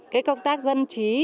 cái công tác dân trí